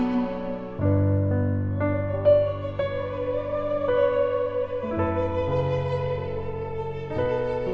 bu gue disini bu